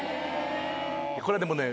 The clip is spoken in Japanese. これでもね。